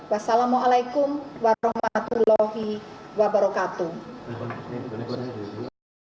wassalamu'alaikum warahmatullahi wabarakatuh